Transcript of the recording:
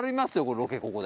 ロケここで。